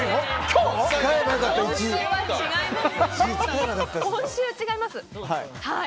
今週は違います。